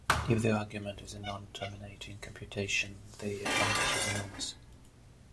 If the argument is a non-terminating computation, the advantage is enormous.